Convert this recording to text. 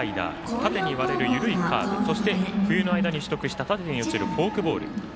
縦に割れる緩いカーブそして冬の間に取得した縦に落ちるフォークボール。